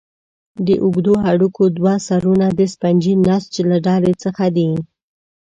د اوږدو هډوکو دوه سرونه د سفنجي نسج له ډلې څخه دي.